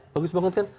bagus banget kan